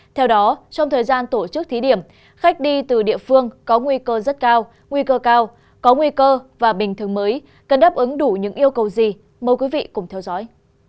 theo đó trong thời gian tổ chức thí điểm khách đi từ địa phương có nguy cơ rất cao nguy cơ cao có nguy cơ và bình thường mới cần đáp ứng đủ những yêu cầu gì mời quý vị cùng theo dõi